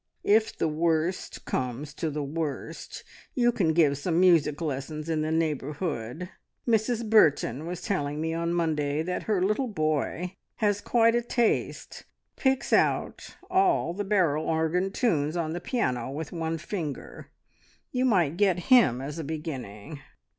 "If the worst comes to the worst, you can give some music lessons in the neighbourhood. Mrs Burton was telling me on Monday that her little boy has quite a taste picks out all the barrel organ tunes on the piano with one finger. You might get him as a beginning."